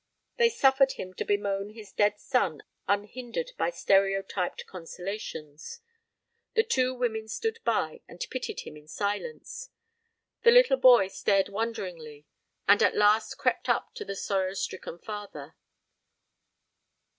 They suffered him to bemoan his dead son unhindered by stereotyped consolations. The two women stood by, and pitied him in silence. The little boy stared wonderingly, and at last crept up to the sorrow stricken father.